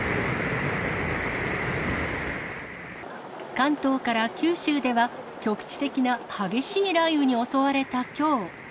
関東から九州では、局地的な激しい雷雨に襲われたきょう。